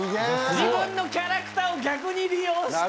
自分のキャラクターを逆に利用して。